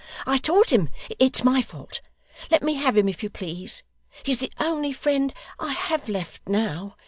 I taught him; it's my fault. Let me have him, if you please. He's the only friend I have left now.